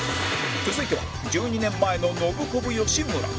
続いては１２年前のノブコブ吉村